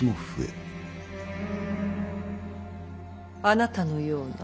あなたのような。